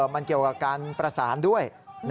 มันเกี่ยวกับการประสานด้วย